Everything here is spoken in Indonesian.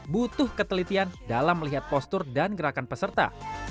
butuh ketelitian dalam melihat postur dan gerakan peserta